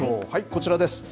こちらです。